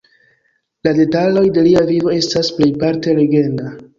La detaloj de lia vivo estas plejparte legenda.